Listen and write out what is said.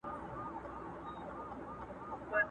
نه اثر وکړ دوا نه تعویذونو٫